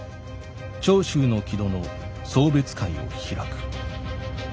長州の木戸の送別会を開く」。